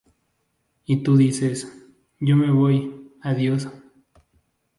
Y tú dices: "Yo me voy, adiós".